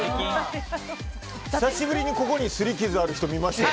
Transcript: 久しぶりにここに、すり傷ある人見ました。